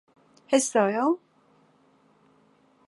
했어요?